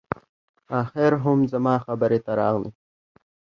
اخیر هم زما خبرې ته راغلې